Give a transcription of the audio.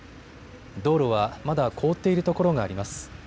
道路はまだ凍っているところがあります。